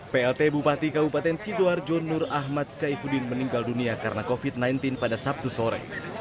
plt bupati kabupaten sidoarjo nur ahmad syaifuddin meninggal dunia karena covid sembilan belas pada sabtu sore